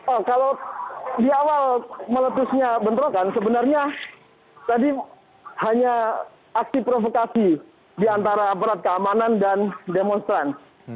oh kalau di awal meletusnya bentrokan sebenarnya tadi hanya aksi provokasi di antara aparat keamanan dan demonstran